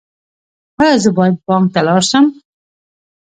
ایا زه باید بانک ته لاړ شم؟